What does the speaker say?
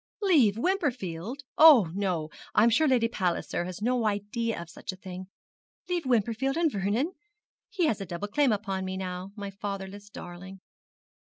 'Leave Wimperfield! Oh, no, I'm sure Lady Palliser has no idea of such a thing. Leave Wimperfield, and Vernon? He has a double claim upon me now, my fatherless darling.'